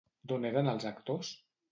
D'on eren els actors?